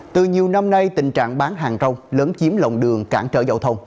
từ nhiều năm nay tình trạng bán hàng rong lớn chiếm lồng đường cản trở giao thông